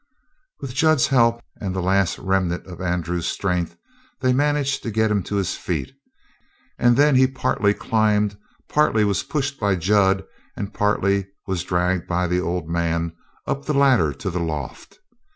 With Jud's help and the last remnant of Andrew's strength they managed to get him to his feet, and then he partly climbed, partly was pushed by Jud, and partly was dragged by the old man up a ladder to the loft.